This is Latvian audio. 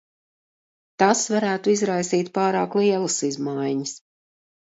Tas varētu izraisīt pārāk lielas izmaiņas.